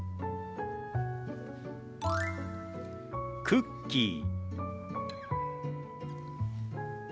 「クッキー」。